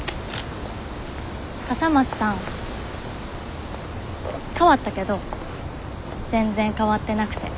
笠松さん変わったけど全然変わってなくて。